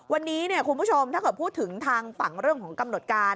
วันนี้คุณผู้ชมถ้าเกิดพูดถึงทางฝั่งเรื่องของกำหนดการ